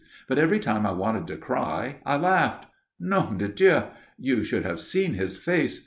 "But every time I wanted to cry, I laughed. Nom de Dieu! You should have seen his face!